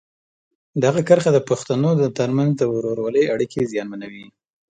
دغه کرښه د پښتنو ترمنځ د ورورولۍ اړیکې زیانمنوي.